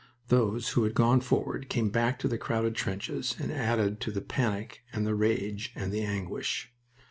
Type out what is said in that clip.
Those who had gone forward came back to the crowded trenches and added to the panic and the rage and the anguish.